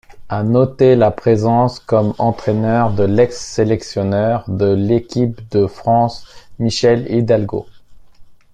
À noter la présence comme entraîneur, de l'ex-sélectionneur de l'équipe de France, Michel Hidalgo.